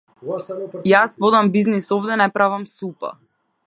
Јас водам бизнис овде не правам супа.